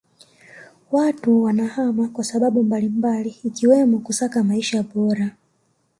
Watu wanahama kwa sababu mbalimbali ikiwemo kusaka maisha bora